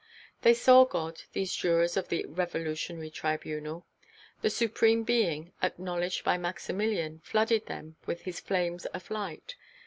They saw God, these jurors of the Revolutionary Tribunal. The Supreme Being, acknowledged by Maximilien, flooded them with His flames of light.